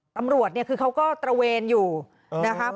ตำรวจเนี่ยคือเขาก็ตระเวนอยู่นะครับ